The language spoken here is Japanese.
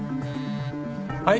はい。